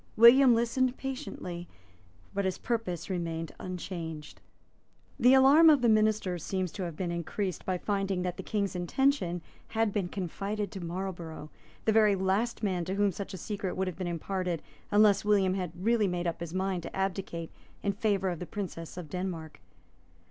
William listened patiently; but his purpose remained unchanged. The alarm of the ministers seems to have been increased by finding that the King's intention had been confided to Marlborough, the very last man to whom such a secret would have been imparted unless William had really made up his mind to abdicate in favour of the Princess of Denmark.